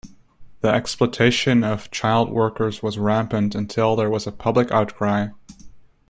The exploitation of child workers was rampant until there was a public outcry.